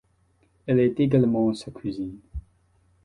Elle est également sa cousine.